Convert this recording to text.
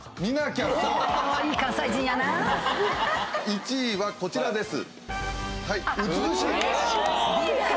１位はこちらです。